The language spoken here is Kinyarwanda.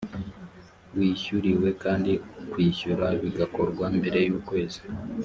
wishyuriwe kandi kwishyura bigakorwa mbere y ukwezi